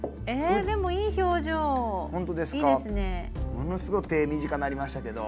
ものすごう手短なりましたけど。